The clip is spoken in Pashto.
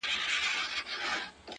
ژوند در ډالۍ دى تاته ـ